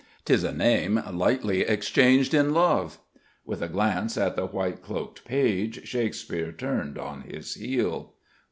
"'Tis a name lightly exchanged in love." With a glance at the white cloaked page Shakespeare turned on his heel.